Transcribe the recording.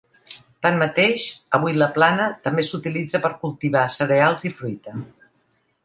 Tanmateix, avui la plana també s'utilitza per cultivar cereals i fruita.